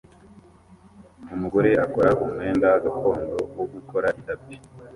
Umugore akora umwenda gakondo wo gukora itapi